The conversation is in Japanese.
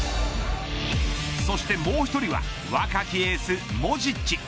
そしてもう１人は若きエース、モジッチ。